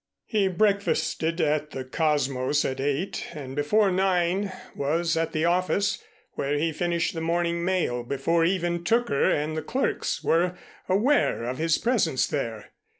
He breakfasted at the Cosmos at eight, and before nine was at the office where he finished the morning mail before even Tooker and the clerks were aware of his presence there.